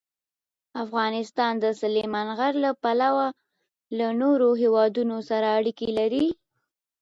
افغانستان د سلیمان غر له پلوه له نورو هېوادونو سره اړیکې لري.